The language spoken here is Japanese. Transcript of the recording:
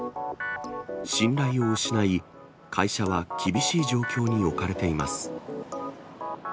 信頼を失い、会社は厳しい状況に置かれています。